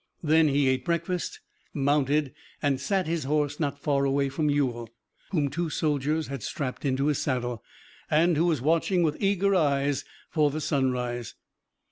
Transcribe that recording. Then he ate breakfast, mounted and sat his horse not far away from Ewell, whom two soldiers had strapped into his saddle, and who was watching with eager eyes for the sunrise.